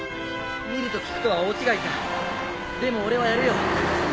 見ると聞くとは大違いさでも俺はやるよ。